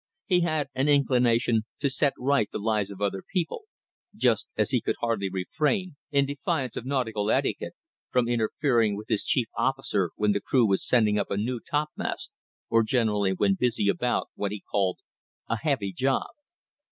he had an inclination to set right the lives of other people, just as he could hardly refrain in defiance of nautical etiquette from interfering with his chief officer when the crew was sending up a new topmast, or generally when busy about, what he called, "a heavy job."